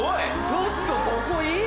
ちょっとここいい！